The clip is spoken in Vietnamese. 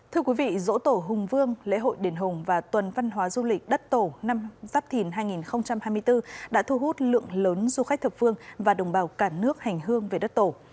thưa quý vị dỗ tổ hùng vương lễ hội đền hùng và tuần văn hóa du lịch đất tổ năm giáp thìn hai nghìn hai mươi bốn đã thu hút lượng lớn du khách thập phương và đồng bào cả nước hành hương về đất tổ